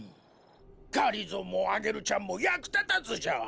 がりぞーもアゲルちゃんもやくたたずじゃ。